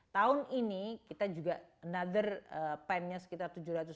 tahun ini kita juga another pen nya sekitar tujuh ratus lima puluh